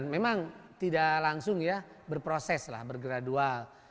memang tidak langsung ya berproses lah bergradual